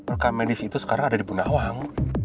rekam medis itu sekarang ada di pundawang